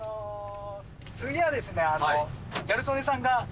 次はですね。